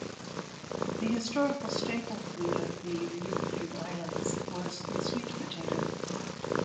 The historical staple food of the Ryukyu Islands was the sweet potato.